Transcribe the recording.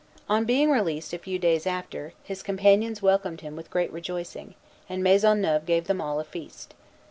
On being released, a few days after, his companions welcomed him with great rejoicing, and Maisonneuve gave them all a feast.